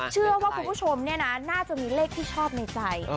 เชื่อว่าคุณผู้ชมเนี่ยนะน่าจะมีเลขที่ชอบในใจ